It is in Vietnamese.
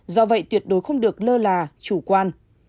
do vậy tuyệt đối không được lơ là chủ quan